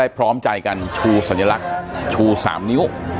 พร้อมใจชูสัญลักษณ์ชูสามนิ้ว